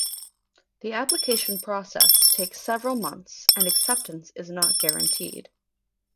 The application process takes several months, and acceptance is not guaranteed.